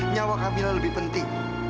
nyawa kamila lebih penting